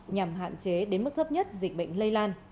nhằm hạn chế đến mức thấp nhất dịch bệnh lây lan